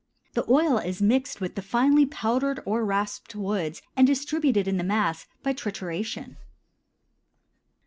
The oil is mixed with the finely powdered or rasped woods and distributed in the mass by trituration.